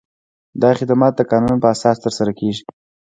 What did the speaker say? دا خدمات د قانون په اساس ترسره کیږي.